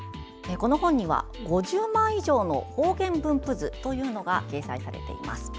この本には、５０枚以上の方言分布図が掲載されています。